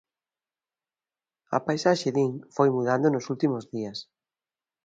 A paisaxe din foi mudando nos últimos días.